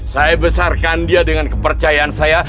saya besarkan dia dengan kepercayaan saya